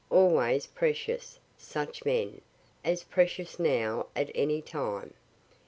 Always precious, such men; as precious now as any time.